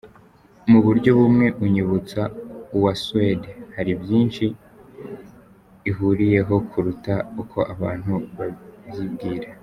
Mu buryo bumwe unyibutsa uwa Suède, hari byinshi ihuriyeho kuruta uko abantu babyibwira.